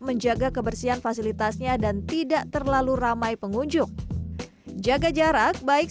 menjaga kebersihan fasilitasnya dan tidak terlalu ramai pengunjung jaga jarak baik